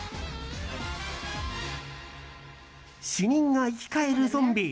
死人が生き返るゾンビ。